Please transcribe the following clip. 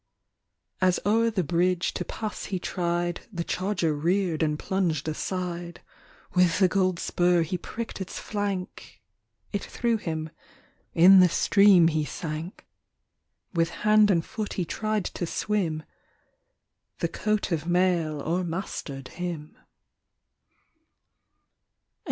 As o'er the bridge to pass he tried, The charger reared and plunged aside. With the gold spur he pricked its flank ; It threw him — in the stream he sank. With hand and foot he tried to swim ; The coat of mail overmastered him.